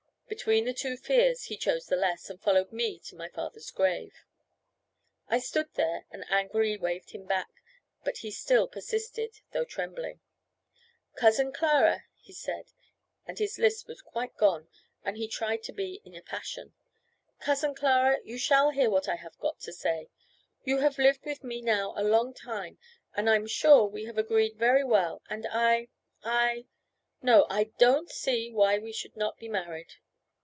Between the two fears he chose the less, and followed me to my father's grave. I stood there and angrily waved him back, but he still persisted, though trembling. "Cousin Clara," he said and his lisp was quite gone, and he tried to be in a passion "Cousin Clara, you shall hear what I have got to say. You have lived with me now a long time, and I'm sure we have agreed very well, and I I no, I don't see why we should not be married."